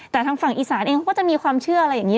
แต่ทางฝั่งอีสานเองเขาก็จะมีความเชื่ออะไรอย่างนี้